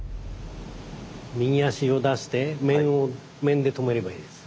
右足を出して面を面で止めればいいです。